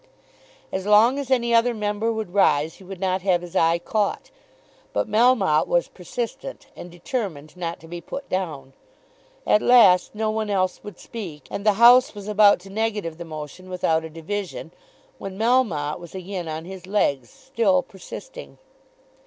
As long as any other member would rise he would not have his eye caught. But Melmotte was persistent, and determined not to be put down. At last no one else would speak, and the House was about to negative the motion without a division, when Melmotte was again on his legs, still persisting.